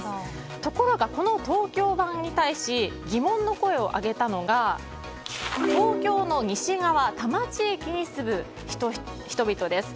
ところが、この東京版に対し疑問の声を上げたのが東京の西側多摩地域に住む人々です。